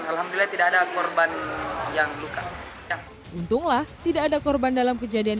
alhamdulillah tidak ada korban yang luka untunglah tidak ada korban dalam kejadian